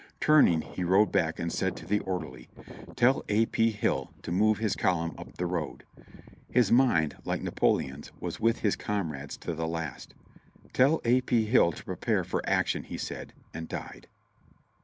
Turning he rode back and said to the orderly: "Tell A. P. Hill to move his column up the road."* His mind, like Napoleon's, was with his comrades to the last. "Tell A. P. Hill to prepare for action," he said, and died.